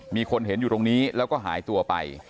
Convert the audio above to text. มีคนเห็นอยู่ตรงนี้แล้วก็หายตัวไป